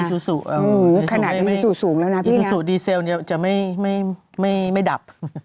อิซูซู่ดีเซลจะไม่ดับ